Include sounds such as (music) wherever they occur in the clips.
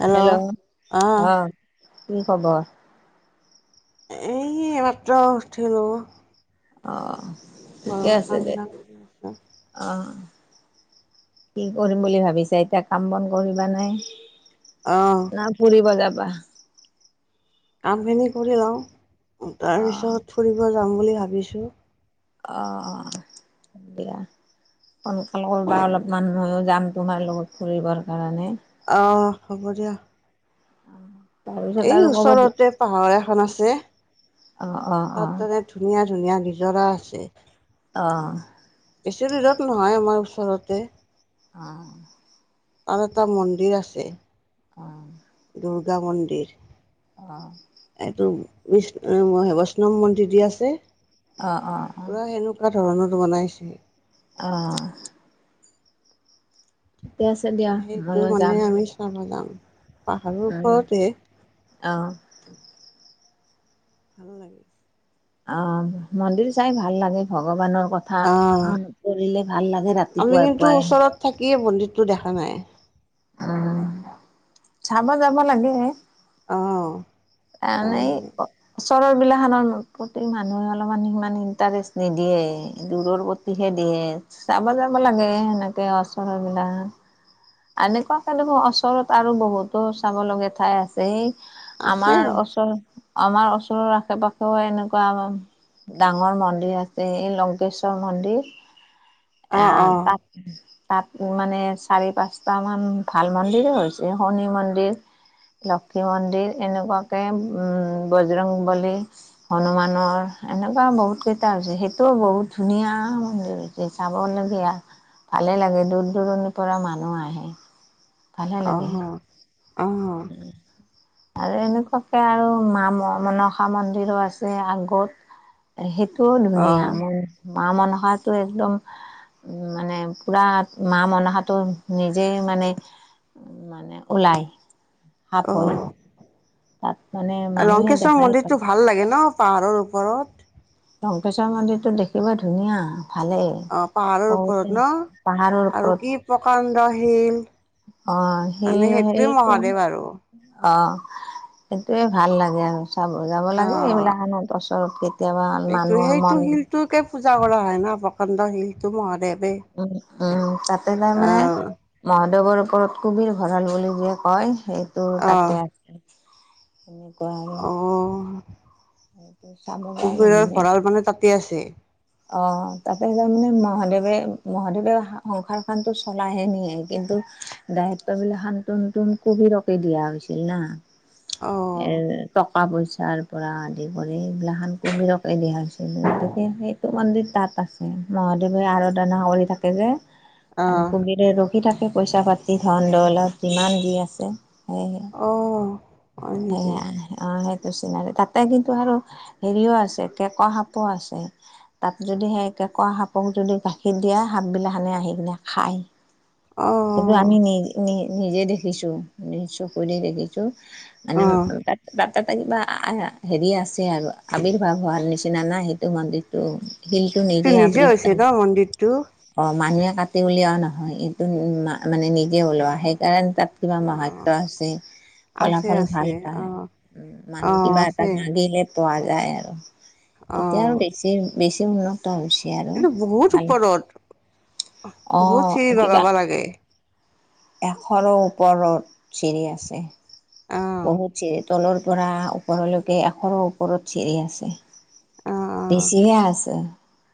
Hello hello আহ অহ কি খবৰ এই মাত্ৰ উঠিলোঁ অ ঠিকে আছে কাম দে বিলাক কৰি আছো অ কি কৰিম বুলি ভাবিছা এতিয়া কাম বন কৰিবা নাই অ না ফুৰিব যাবা কামখিনি কৰি লওঁ অ', তাৰপিছত ফুৰিব যাম বুলি ভাবিছোঁ অ অ দিয়া সোনকাল কৰিবা অলপ মান মইয়ো যাম তোমাৰ লগত ফুৰিবৰ কাৰণে অ হ'ব দিয়া তাৰপিছত এই আৰু ক'ৰবাত ওচৰতে পাহাৰ এখন আছে অ', অ', অ', তাতে ধুনীয়া ধুনীয়া নিজৰা আছে অ', অ', বেছি দূৰত নহয় আমাৰ ওচৰতে অ মানে এটা মন্দিৰ আছে অ দুৰ্গা মন্দিৰ অ এইটো বৈচ্ বৈষ্ণৱ মন্দিৰ দি আছে অ অ অ পুৰা সেনেকুৱা ধৰণৰত বনাইছে অ অ ঠিকে আছে দিয়া সেইটো ময়ো মানে যাম। আমি চাব যাম পাহাৰৰ উম, ওপৰতে অ ভাল লাগে। অঁ মন্দিৰ চাই ভাল লাগে, ভগৱানৰ ক (unintelligible) কথা আহ পঢ়িলে ভাল লাগে আমি ৰাতিপুৱাই কিন্তু পুৱাই (unintelligible) ওচৰত থাকিয়ে মন্দিৰটো দেখা নাই (unintelligible) উম! চাব যাব লাগে? (unintelligible) আহ এনেই (inaudible) তাৰমানে ওচৰৰ বিলাখনৰ প্ৰতি মানুহে অলপমান সমান ইণ্টাৰেষ্ট নিদিয়ে দূৰৰ প্ৰতি (unintelligible) দিহে দিয়ে (unintelligible) চাব যাব আহ লাগে সেনেকে ওচৰৰবিলাক? এনেকুৱাকে দেখোন ওচৰত আৰু বহুতো চাবলগীয়া ঠাই আছ (unintelligible) আছে সেই আছে আমাৰ ওচৰ আমাৰ ওচৰৰ আশে-পাশেও এনেকুৱা (inaudible) ডাঙৰ মন্দিৰ আছে এই লংকেশ্বৰ মন্দিৰ। (inaudible) আহ তাত-তাত মানে চাৰি, পাঁচ (unintelligible) তামান ভাল মন্দিৰে হৈছে শনি মন্দিৰ (unintelligible) লক্ষী মন্দিৰ এনেকুৱাকে উম বজৰং বলী (unintelligible) হনুমানৰ এনেকুৱা বহুত কেইটা হৈছে। সেইটোও বহুত ধুনীয়া মন্দিৰ। (unintelligible) চাবলগীয়া ভালে লাগে দূৰ-দূৰণিৰ পৰা মানুহ আহে। (inaudible) (unintelligible) ভালে আহ লাগে। আহ আহ (inaudible) আৰু এনেকুৱাকে আৰু মা মনসা মন্দিৰো আছে আগত। (unintelligible) সেইটোও ধুনীয়া মন মা মনসাটো একদম (inaudible) উম মানে পুৰা মা মনসাটো নিজেই মানে (unintelligible) মানে ওলায় সাফ হয় আহ (unintelligible) তাত মানে অ মানুহে লংকেশ্বৰ দেখায়ে মন্দিৰটো পায়। (unintelligible) ভাল লাগে ন পাহাৰৰ ওপৰত? (inaudible) লংকেশ্বৰ মন্দিৰতো দেখিব ধুনীয়া ভালেই। (inaudible) অঁ পাহাৰৰ বহুতে ওপৰত ন পাহাৰৰ আৰু ওপৰত কি প্ৰকাণ্ড শিল। অঁ (inaudible) শিল মানে সেইটোৱেই শিলটো মহাদেৱ আৰু। (inaudible) অঁ! সেইটোৱেই ভাল লাগে আৰু। (inaudible) চাব যাব অ লাগে এইবিলাক (unintelligible) হেনো বছৰত কেতিয়াবা মানুহৰ মন টোকে পূজা কৰা হয় না প্ৰকাণ্ড শিলটো মহাদেৱ। (inaudible) উম-উম! তাতে তাৰ মানে আহ (inaudible) মহাদেৱৰ ওপৰত কবিৰ ভঁৰাল বুলি যে কয় সেইটো অ', তাতে আছে। (inaudible) এনেকুৱা আৰু (inaudible) চাব। পৰা কবিৰৰ ভঁৰাল মানে তাতে আছে? (unintelligible) অঁ তাতে তাৰ মানে মহাদেৱে-মহাদেৱে সংসাৰখনটো চলাইহে নিয়ে কিন্তু (unintelligible) দায়িত্ববিলাক শান্তনটোন (unintelligible) কুভিৰকে দিয়া হৈছিল না। অ', এৰ টকা-পইচা (unintelligible) পৰা আদি কৰি এইগিলাখন কুহিৰকে দিয়া হৈছিল। গতিকে সেই (unintelligible) সেইটো মন্দিৰ তাত আছে। মহাদেৱে আৰাধনা কৰি থাকে যে আৰু অ', কুবিৰ (unintelligible) ৰখি থাকে পইচা-পাতি ধন (unintelligible) অলপ যিমান যি আছে সেয়েহে অঁ (inaudible) সেয়া (unintelligible) অঁ সেইটো চিনাৰ তাতে কিন্তু আৰু হেৰিও আছে কেক সাপো আছে। (unintelligible) তাত যদি সেই কেঁকৰা সাপক যদি গাখীৰ দিয়া সাপবিলাক সেনে আহি কিনে খায়। (unintelligible) সেইটো আমি অ', নি-নি নিজে দেখিছোঁ, নিজ চকুৰে দেখিছোঁ। (inaudible) মানে অ', তাত-তাত (unintelligible) তাতে কিবা (unintelligible) হেৰি আছে আৰু আৱিৰ্ভাৱ হোৱাৰ নিচিনা নাই সেইটো মন্দিৰটো। শিলটো এইটো নিদিয়ে আপ নিজে হৈছে ন মন্দিৰটো? (unintelligible) অ মানুহে কাটি উলিয়াও নহয় এইটো (unintelligible) মানে নিজে ওলোৱা সেইকাৰণে তাত কিবা মহত্ব অ', আছে। (inaudible) আছে ফলাফল ভাল আছে পায়, অ', উম মানুহ অ', কিবা এটা আছে। মাগিলে। (unintelligible) পোৱা যায় আৰু এতিয়া আৰু অ', বেছি-বেছি মূল (unintelligible) মহত্ব হৈছে আৰু এইটো বহুত ভাল ওপৰত (unintelligible) অঁ কিবা পাগৈ (unintelligible) এশৰো ওপৰত চিৰি আছে অ', বহুত চিৰিত। (unintelligible) তলৰ পৰা ওপৰলৈকে এশৰৰো ওপৰত চিৰি আছে। (inaudible) অ', বেছিহে আছে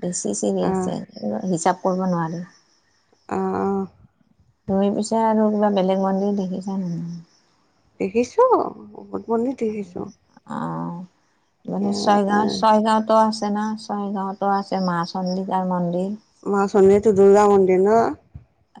বেছি চিৰি অ', অ', আছে হিচাপ কৰিব নোৱাৰি। (unintelligible) অঁ-অঁ। (unintelligible) ত‌ই পিছে আৰু কিবা বেলেগ মন্দিৰ দেখিছা নাই? (unintelligible) দেখিছোঁ বহুত মন্দিৰ দেখিছোঁ। (inaudible) অঁ মানে চাইগাঁ (unintelligible) ছয়গাঁৱতো আছে না, ছয়গাঁৱতো আছে মা চন্দিকাৰ মন্দিৰ। (unintelligible) মা সনীৰতো দুৰ্গা মন্দিৰ ন? (unintelligible)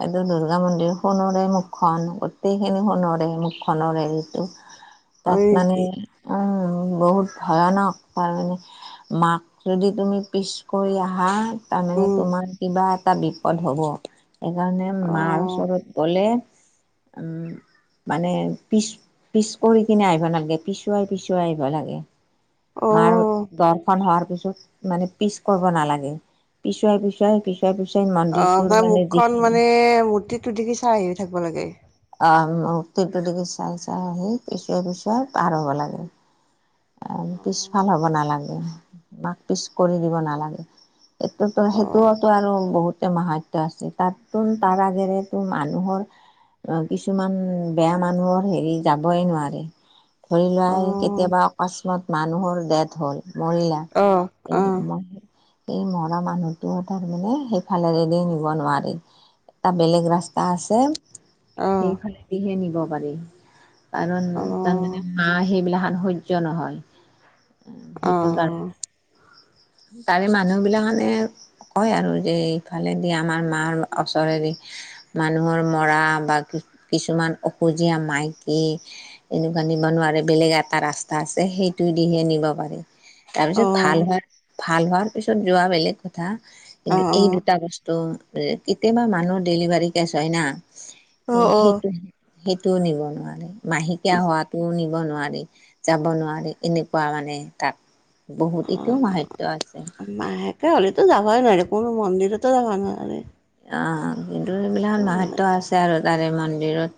এইটো দুৰ্গা মন্দিৰ, সোণৰে মুখখন গোটেইখিনি সোণৰে মুখখনৰ হেৰিটো। (inaudible) হয় তাত মানে নেকি? উম বহুত ভয়ানক তাৰ মানে (unintelligible) মাক যদি তুমি পিচ কৰি আহা (inaudible) তাৰমানে উম, তোমাৰ কিবা এটা বিপদ হ'ব। (unintelligible) সেইকাৰণে মাৰ অ'। ওচৰত গ'লে উম (unintelligible) মানে পিচ-পিচ কৰি কিনে আহিব নালাগে, পিছুৱাই-পিছুৱাই আহিব লাগে। (unintelligible) মাৰ অ', দৰ্শন হোৱাৰ পিছত মানে পিছ কৰিব নালাগে পিছুৱাই-পিছুৱাই পিছ (unintelligible) পিছুৱাই-পিছুৱাই মানে (unintelligible) অ তাৰ মুখখন যিখিনি মানে মূৰ্তিটো দি কি চাই আহি থাকিব লাগে? (unintelligible) অঁ! মূৰ্তিটো দিগি চাই-চাই আহি পিছুৱাই-পিছুৱাই পাৰ হব লাগে। (inaudible) (inaudible) অ', পিছফাল হ'ব নালাগে, মাক পিচ কৰি দিব নালাগে। অ', সেইটোতো-সেইটোতো আৰু বহুতে মাহাক (unintelligible) মহত্ব আছে। তাতোন তাৰ আগেৰেতো মানুহৰ (unintelligible) অঁ, কিছুমান বেয়া মানুহৰ হেৰি যাবই নোৱাৰে। (unintelligible) ধৰি লোৱা অ', কেতিয়াবা অকস্মাৎ মানুহৰ ডেথ হ'ল মৰিলে। অ', (unintelligible) অ', এই অ', (unintelligible) এই মৰা মানুহটো তাৰমানে সেইফালেৰে দি নিব নোৱাৰি। (unintelligible) এটা বেলেগ ৰাস্তা আছে, অ', সেইফালেদিহে নিব পাৰি। (inaudible) কাৰণ তাৰমানে মাৰ সেইবিলাকখন সহ্য নহয় সেইটো কাৰণে। (unintelligible) অ', তাৰে মানুহ বিলাকখনে (unintelligible) কয় আৰু যে এইফালে দি আমাৰ মাৰ ওচৰেদি (unintelligible) মানুহৰ মৰা বা কিছুমান অসুখীয়া মাইকী (unintelligible) এনেকুৱা নিব নোৱাৰে বেলেগ এটা ৰাস্তা আছে সেইটো দিহে নিব পাৰে। (unintelligible) তাৰপিছত ভাল হোৱাৰ, ভাল হোৱাৰ পিছত যোৱা বেলেগ কথা কিন্তু এই দু (unintelligible) অ', দুটা বস্তু কেতিয়াবা মানুহ ডেলিভাৰী কেছ হয় না অ', অ', সেইটো (unintelligible) সেইটোও নিব নোৱাৰে, মাহেকীয়া হোৱাত (unintelligible) (unintelligible) পু নিব নোৱাৰি, যাব নোৱাৰি এনেকুৱা মানে তাত বহুত এতিয়াও মাহ (unintelligible) মহত্ব আছে। (unintelligible) মাহেকীয়া হ'লেতো যাবই নোৱাৰে, কোনো মন্দিৰতো যাব নোৱাৰে। আহ কিন্তু এইবিলাক সেইটো বেলেগ। মাহাত্ম্য আছে আৰু তাৰে মন্দিৰত।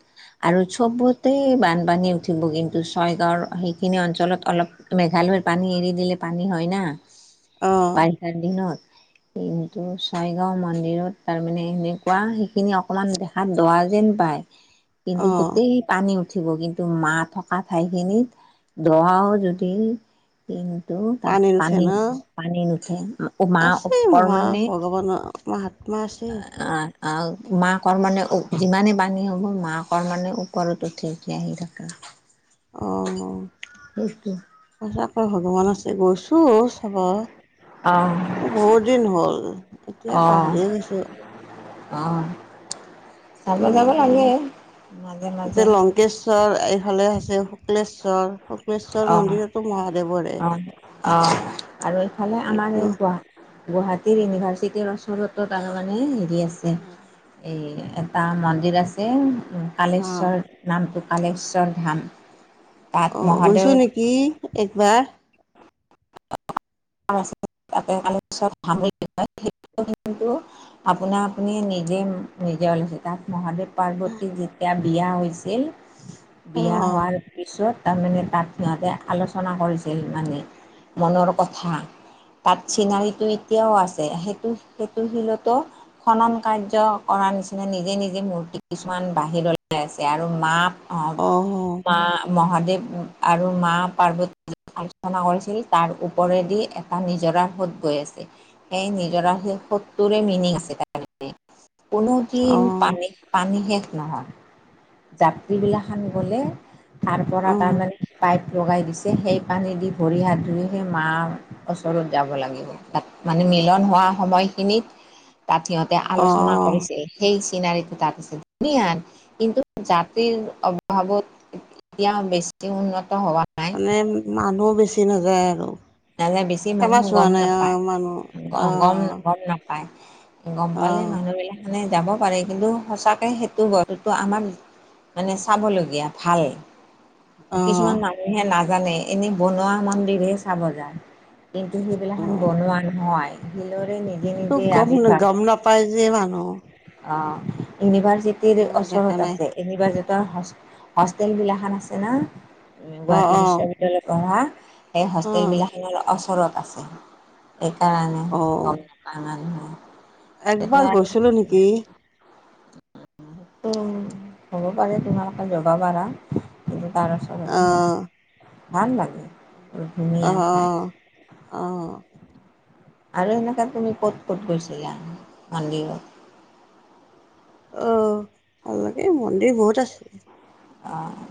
আৰু চবতে বানপানী উঠিব কিন্তু ছয়গাঁৱৰ সেইখিনি অঞ্চলত অলপ মেঘালয়ত পানী এৰি দিলে পানী হয় না। অ', বাৰিষাৰ দিনত, কিন্তু ছয়গাওঁ মন্দিৰত তাৰমানে সেনেকুৱা সেইখিনি অকমান দেখাত দঁহ যেন পায় কিন্তু অ', গোটেই পানী উঠিব কিন্তু মাঁ থকা ঠাইখিনিত দঁহও যদি কিন্তু তাত নুঠে পানী ন? পানী নুঠে আকৌ মাঁ ওপৰ মানে মাহাত্মা আছে। আ মাকৰ মানে যিমানেই পানী হ'ব মাকৰ মানে ওপৰত উঠি উঠি আহি থাকে। অঁ। সেইটোৱে। ই আকৌ ভগৱান আছে গৈছো চবে অঁ বহুত দিন হ'ল এতিয়া পাহৰিয়ে গৈছো। অঁহ। এইবাবে মাজে এতিয়া মাজে লংকে শ্বৰ এইফালে আছে শুক্লেশ্বৰ শুক্লেশ্বৰ অঁ মন্দিৰতো মহাদেৱৰ অ' আ আৰু এইফালে আমাৰ সেইটো এই গু গুৱাহাটীৰ ইউনিভাৰ্চিটিৰ ওচৰতো তাৰ মানে হেৰি আছে। এই এটা মন্দিৰ আছে অ কালেশ্বৰ নামটো কালেশ্বৰ ধাম। তাত অ' মহাদেৱ গৈছো নেকি একবাৰ। (unintelligible) আপোনাৰ আপুনি নিজে নিজে ওলাইছে তাত মহাদেৱ পাৰ্বতী যেতিয়া বিয়া হৈছিল অ বিয়া হোৱাৰ তাৰ পিছত তাৰমানে তাত সিহঁতে আলোচনা কৰিছিল মানে মনৰ কথা। তাত চিনাৰিটো এতিয়াও আছে সেইটো সেইটো শিলতো খনন কাৰ্য কৰাৰ নিচিনা নিজে নিজে মূৰ্তি কিছুমান বাহিৰলৈ আছে আৰু মা অঁ অ মা মহাদেৱ আৰু মা পাৰ্বতী আৰ্চনা কৰিছিল তাৰ ওপৰেদি এটা নিজৰা সোত গৈ আছে, সেই নিজৰা সোতটোৰে মিনিং আছে তা ত মানে, কোনোদিন অ পানী পানী শেষ নহয়। যাত্ৰী বিলাকসান গলে তাৰ পৰা অ তাৰমানে পাইপ লগাই দিছে সেই পানী দি ভৰি হাত ধুই সেই মাৰ ওচৰত যাব লাগিব তাত মানে মিলন হোৱা সময়খিনিত তাত সিহঁতে অ আলোচনা কৰিছিল। সেই চিনাৰিটো তাত আছে ধুনিয়া, কিন্তু যাত্ৰীৰ অভাৱত এতিয়া বেছি উন্নত হোৱা নাই। মানে মানুহো বেছি নাযায় আৰু? নাযায় বেছি মানুহ ফেমাচ হোৱা গম নাই অ নাপায় মানুহ অ গম গম না পায়, গম অ পালে মানুহ বিলাক মানে যাব পাৰে কিন্তু সঁচাকে সেইটো বস্তো আমাৰ মানে চাবলগীয়া ভাল। অ কিছুমান মানুহে নাজানে এনে বনোৱা মন্দিৰহে চাব যায়। কিন্তু অ সেইবিলাখন বনোৱা নহয় শিলৰে নি ত' গম গম নাপাই যে মানুহ অ', ইউনিভাৰ্চিটিৰ তেনেকুৱা দেখা ওচৰত নাই আছে (unintelligible) হোষ্টেলবিলাখন আছে না অ গুৱাহাটী অ বিশ্ববিয় (unintelligible) পঢ়া সেই অ হোষ্টেলবিলাখনৰ ওচৰত আছে। এইকাৰণে অ' গম নাপাই মানুহে একবাৰ গৈছিলো নেকি? উম, হ'ব পাৰে তোমালোকে যবা পাৰা কিন্তু তাৰ ওচৰত হে অ' আছে ভাল লাগে। অ', ধুনীয়া ঠাই। অ', অ', আৰু এনেকৈ তুমি ক'ত ক'ত গৈছিলা মন্দিৰত? অ', ভাল লাগে মন্দিৰ বহুত আছে। অ',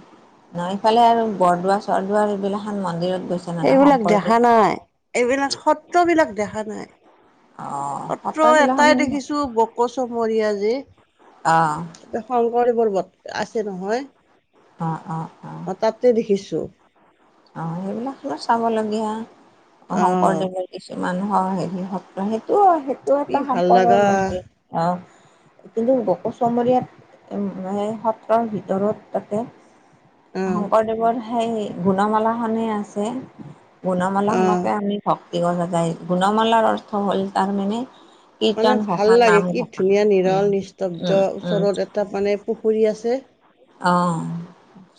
নায় এইফালে আৰু বৰদোৱা চৰদোৱাৰাৰ এইবিলা খন মন্দিৰত গৈছো? এইবিলাক দেখা নাই এইবিলাক সত্ৰবিলাক দেখা নাই। অ', পাত্ৰ সত্ৰবিলাখান এটাই দেখিছো বকচমৰীয়া অ', যি শংকৰদেৱৰ বট আছে নহয় অ', অ', অ', দেখিছো অ', সেইবিলাক তোমাৰ চাবলগীয়া অ' শংকৰদেৱৰ কিছু মানুহৰ হেৰি সত্ৰ সেইটো সেইটো কি এটা ভাল সম্পদৰ লগা লাগে অ', কিন্তু গকৌচমৰীয়াত হে সত্ৰৰ ভিতৰত তাতে অ' শংকৰদেৱৰ সেই গুণমালাখনেই আছে গুণমালা অ' খনকে আমি ভক্তি গা যাই গুণমালাৰ অৰ্থ হ'ল তাৰ মানে মানে ভাল লাগে কি ধুনীয়া উম নিৰল উম নিস্তব্ধ উম ওচৰত এটা মানে পুখুৰী আছে অ',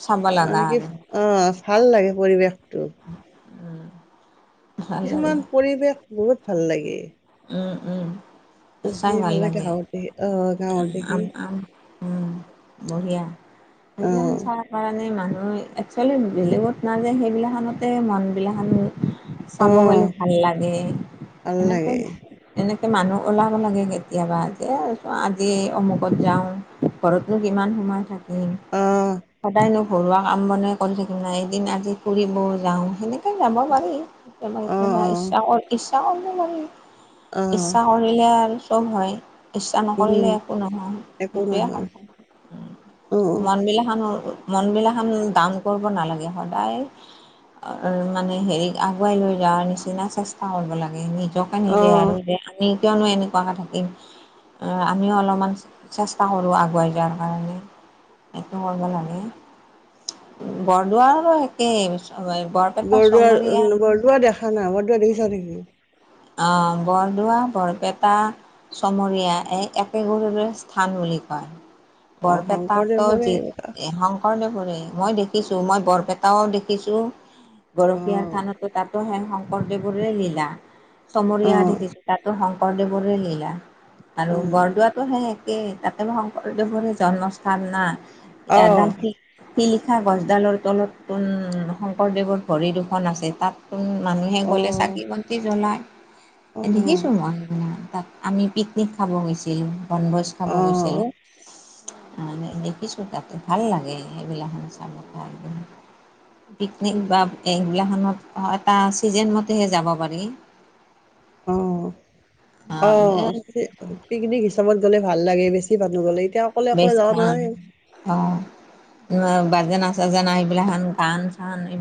চাব (unintelligible) লগা আৰু অ', ভাল লাগে পৰিৱেশটো (inaudible) লাগে কিছুমান পৰিৱেশ বহুত ভাল লাগে উম, উম, চাই ভাল সেইফালে লাগে গাঁৱত দেখি আহ গাঁৱত উম, দেখি আম - আম উম, বঢ়িয়া সেইবিলাখন আহ (unintelligible) কাৰণে মানুহ একচুৱেলি বেলেগত নাযায় সেইবিলা খনতে মন বিলাখন চাব আহ গলে ভাল লাগে ভাল সেনেকে লাগে এনেকে মানুহ ওলাব লাগে কেতিয়াবা যে আজি অমুকত যাওঁ ঘৰত নো কিমান সোমায় থাকি ইম, আহ সদায়নো ঘৰুৱা কাম বনে কৰি থাকিম না এদিন আজি ফুৰিবও হৈ নে? ত' যাব পাৰি কেতিয়াবা আহ কেতিয়াবা আহ ইচ্ছা ইচ্ছা কৰিব পাৰি আহ ইচ্ছা কৰিলে আৰু চব হয় ইচ্ছা উম নকৰিলে একো নহয় একো সেইটোৱে নহয় স অ মনবিলাহন মন বিলাক হন দান কৰিব নালাগে সদায় মানে হেৰি আগুৱাই লৈ যোৱাৰ নিচিনা চেষ্টা কৰিব লাগে নিজক অ যে আৰু যে আমি কিয়নো এনেকুৱাকে থাকিম? আমিও অলপমান চেষ্টা কৰোঁ আগুৱাই যোৱাৰ কাৰণে। সেইটো কৰিব লাগে, বৰদোৱা আৰু একেই সবেই বৰদোৱা বৰদোৱা দেখা নাই বৰদোৱা দেখিছা নেকি? অ', বৰদোৱা, বৰপেটা চমৰীয়া এই একে গৰোৰে স্থান বুলি কয়। অ বৰপেটাটো শংকৰদেৱৰে যি এইবিলাক। এ শংকৰদেৱৰে মই দেখিছো মই বৰপেটাও দেখিছো, অ গৰপিয়াৰ থানতো তাতো হে শংকৰদেৱোৰে লীলা। অ চমৰিয়া দেখিছো তাতো শংকৰদেৱৰে লীলা অ আৰু বৰদোৱাত তো সে একেই তাতে শংকৰদেৱৰে জন্মস্থান না আহ এডাল শিলিখা গছডালৰ তলত দেখোন শংকৰদেৱৰ ভৰি দুখন আছে, তাত চোন মানুহে অ গ'লে চাকি বন্তি জ্বলায়। অ দেখিছো মই মানে তাত আমি পিকনিক খাব গৈছিলো। বনভোজ খাব অ গৈছিলোঁ অ মানে দেখিছোঁ তাতে ভাল লাগে। সেইবিলাকহন ভাল চাব লাগে পাই কিনে। পিকনিক বা এইগিলাখনত এটা ছিজেন মতেহে যাব পাৰি। অঁ অ' পিকনিক হিচাপত গ'লে ভাল লাগে বেছি মানুহ গ'লে এতিয়া অকলে অকলে যাব নোৱাৰি। অঁ বাজানা চাজানা এইবিলাকন গান চান এই